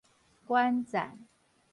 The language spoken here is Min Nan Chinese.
館棧